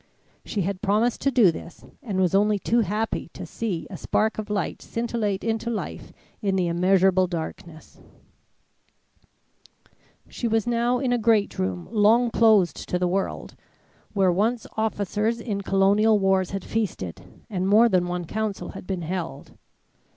She had promised to do this, and was only too happy to see a spark of light scintillate into life in the immeasurable darkness. She was now in a great room long closed to the world, where once officers in Colonial wars had feasted, and more than one council had been held.